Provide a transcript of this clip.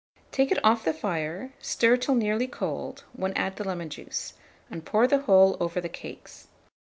Take it off the fire, stir till nearly cold, when add the lemon juice, and pour the whole over the cakes.